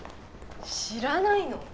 知らないの？